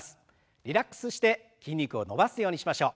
リラックスして筋肉を伸ばすようにしましょう。